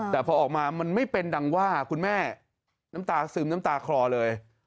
แต่พอออกมามันไม่เป็นดังว่าคุณแม่น้ำตาซึมน้ำตาคลอเลย